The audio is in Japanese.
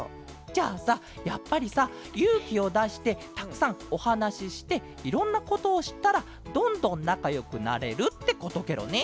じゃあさやっぱりさゆうきをだしてたくさんおはなししていろんなことをしったらどんどんなかよくなれるってことケロね。